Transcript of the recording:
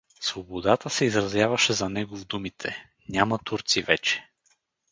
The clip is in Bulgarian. Свободата се изразяваше за него в думите: „Няма турци вече!“